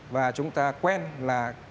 và chúng ta quen là